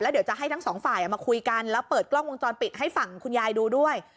เดี๋ยวจะให้ทั้งสองฝ่ายมาคุยกันแล้วเปิดกล้องวงจรปิดให้ฝั่งคุณยายดูด้วย